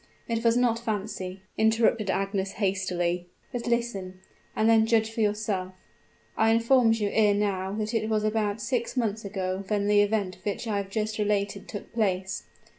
It was not fancy!" interrupted Agnes, hastily. "But listen, and then judge for yourself. I informed you ere now that it was about six months ago when the event which I have just related took place.